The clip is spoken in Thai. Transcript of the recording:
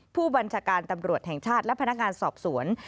ผู้บัญชาการตำรวจแห่งชาติและพนักงานสอบสวน